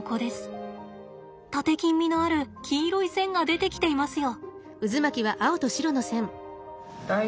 タテキン味のある黄色い線が出てきていますよ。